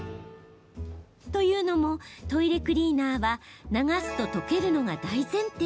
というのもトイレクリーナーは流すと溶けるのが大前提。